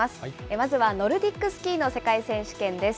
まずはノルディックスキーの世界選手権です。